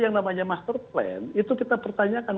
yang namanya master plan itu kita pertanyakan